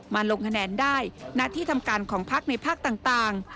ลงคะแนนได้ณที่ทำการของพักในภาคต่าง